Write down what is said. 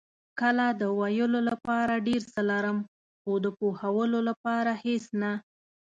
کله د ویلو لپاره ډېر څه لرم، خو د پوهولو لپاره هېڅ نه.